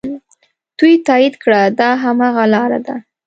دوی تایید کړه دا هماغه لاره ده.